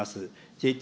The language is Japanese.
ＪＴ